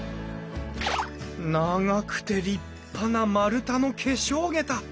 長くて立派な丸太の化粧桁！